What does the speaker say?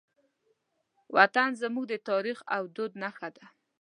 وطن زموږ د تاریخ او دود نښه ده.